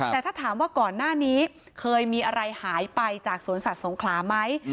แต่ถ้าถามว่าก่อนหน้านี้เคยมีอะไรหายไปจากสวนสัตว์สงขลาไหม